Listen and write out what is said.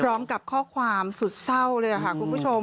พร้อมกับข้อความสุดเศร้าเลยค่ะคุณผู้ชม